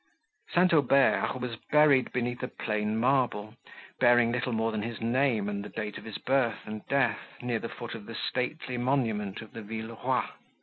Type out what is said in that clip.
St. Aubert was buried beneath a plain marble, bearing little more than his name and the date of his birth and death, near the foot of the stately monument of the Villerois.